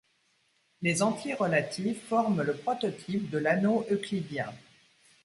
Les entiers relatifs forment le prototype de l'anneau euclidien.